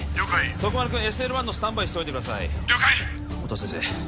徳丸君ＳＬ１のスタンバイしといてください了解音羽先生